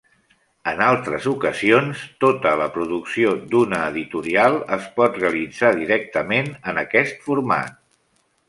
En altres ocasions, tota la producció d'una editorial pot realitzar directament en aquest format.